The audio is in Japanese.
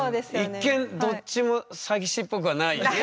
一見どっちも詐欺師っぽくはないね。